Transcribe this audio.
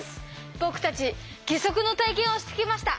僕たち義足の体験をしてきました。